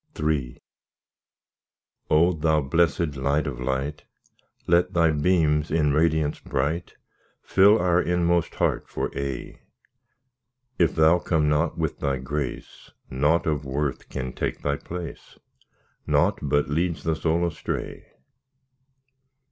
III O! Thou blessed Light of light! Let Thy beams in radiance bright Fill our inmost heart for aye. If Thou come not with Thy grace, Nought of worth can take Thy place, Nought but leads the soul astray.